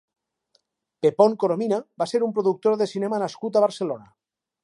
Pepón Coromina va ser un productor de cinema nascut a Barcelona.